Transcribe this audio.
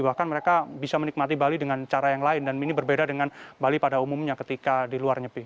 bahkan mereka bisa menikmati bali dengan cara yang lain dan ini berbeda dengan bali pada umumnya ketika di luar nyepi